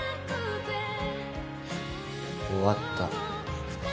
終わった。